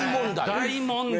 大問題！